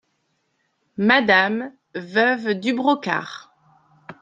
MADAME veuve DU BROCARD.